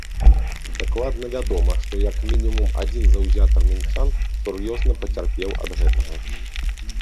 Дакладна вядома, што як мінімум адзін заўзятар мінчан сур'ёзна пацярпеў ад гэтага.